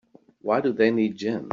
Why do they need gin?